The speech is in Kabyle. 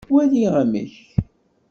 Wali amek!